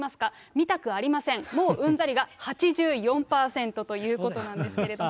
見たくありません、もううんざりが８４％ということなんですけれども。